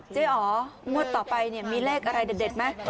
อ๋องวดต่อไปเนี่ยมีเลขอะไรเด็ดไหม